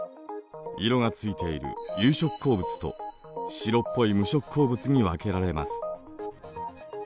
色がついている「有色鉱物」と白っぽい「無色鉱物」に分けられます。